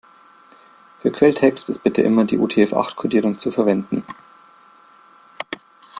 Für Quelltext ist bitte immer die UTF-acht-Kodierung zu verwenden.